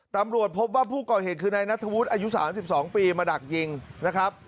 ตำรวจพบว่าผู้ก่อเหตุคือนายนัทธวุฒิอายุ๓๒ปีมาดักยิงนะครับ